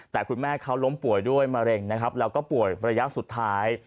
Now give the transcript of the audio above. แต่คุณแม่เขาล้มป่วยด้วยมะเร็งนะครับแล้วก็ป่วยระยะสุดท้าย